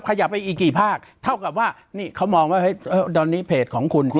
ขยับไปอีกกี่ภาคเท่ากับว่านี่เขามองว่าเฮ้ยตอนนี้เพจของคุณคุณ